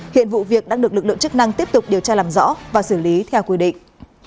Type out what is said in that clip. hiện vụ việc đang được lực lượng chức năng tiếp tục điều tra làm rõ và xử lý theo quy định